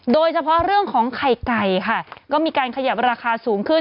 โดยเฉพาะเรื่องของไข่ไก่ค่ะก็มีการขยับราคาสูงขึ้น